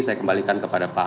saya kembalikan kepada pak